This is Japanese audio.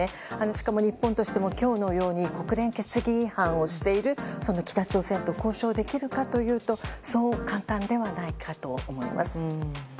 しかも、日本としても今日のように国連決議違反をしている北朝鮮と北朝鮮と交渉できるかというとそう簡単ではないかと思います。